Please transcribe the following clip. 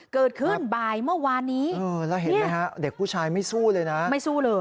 เกิดขึ้นบ่ายเมื่อวานนี้แล้วเห็นไหมฮะเด็กผู้ชายไม่สู้เลยนะไม่สู้เลย